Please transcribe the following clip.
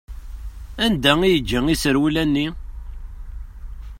Anda i yeǧǧa iserwula-nni?